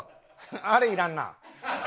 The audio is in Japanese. あれいらんな。